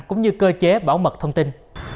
cũng như cơ chế bảo mật thông tin